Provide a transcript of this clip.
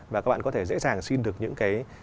và các bạn có thể dễ dàng xin được những cái